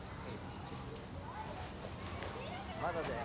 まだだよ。